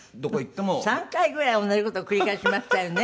３回ぐらい同じ事を繰り返しましたよね